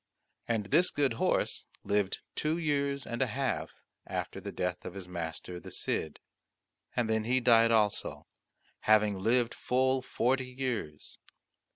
And this good horse lived two years and a half after the death of his master the Cid, and then he died also, having lived full forty years.